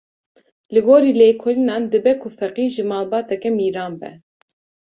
Li gorî lêkolînan dibe ku Feqî ji malbateke mîran be.